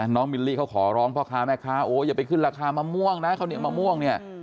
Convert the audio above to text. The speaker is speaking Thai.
มิลลี่เขาขอร้องพ่อค้าแม่ค้าโอ้อย่าไปขึ้นราคามะม่วงนะข้าวเหนียวมะม่วงเนี่ย